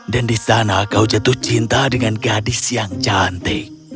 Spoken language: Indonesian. di sana kau jatuh cinta dengan gadis yang cantik